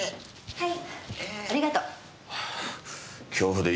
はい！